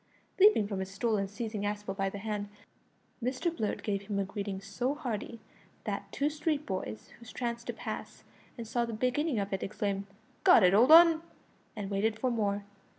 Leaping from his stool and seizing Aspel by the hand, Mr Blurt gave him a greeting so hearty that two street boys who chanced to pass and saw the beginning of it exclaimed, "Go it, old 'un!" and waited for more.